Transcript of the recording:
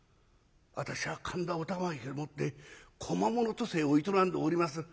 私は神田お玉ヶ池でもって小間物渡世を営んでおります